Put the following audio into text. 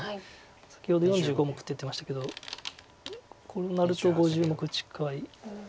先ほど４５目って言ってましたけどこうなると５０目近い。